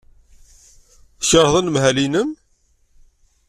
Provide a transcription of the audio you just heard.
Tkeṛheḍ anemhal-nnem.